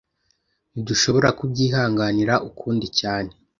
Ntidushobora kubyihanganira ukundi cyane